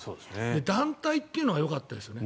団体というのがよかったですよね。